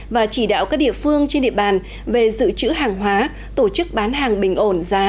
và chỉ đạo các địa phương trên địa bàn về dự trữ hàng hóa tổ chức bán hàng bình ổn giá